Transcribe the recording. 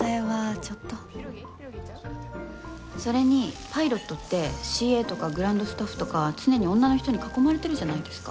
それにパイロットってＣＡとかグランドスタッフとか常に女の人に囲まれてるじゃないですか。